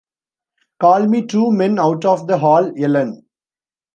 Call me two men out of the hall, Ellen.